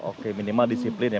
oke minimal disiplin ya